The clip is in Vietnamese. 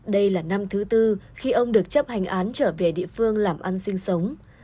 đây là năm thứ tư khi ông được chấp hành án trở về địa phương làm ăn sinh sống